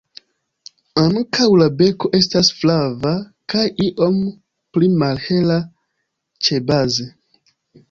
Ankaŭ la beko estas flava, kaj iom pli malhela ĉebaze.